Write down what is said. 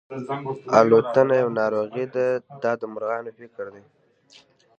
الوتنه یوه ناروغي ده دا د مرغانو فکر دی.